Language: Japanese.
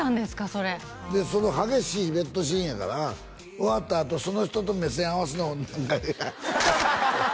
それその激しいベッドシーンやから終わったあとその人と目線合わすのも何かハハハハ！